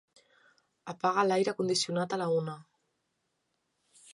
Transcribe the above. Apaga l'aire condicionat a la una.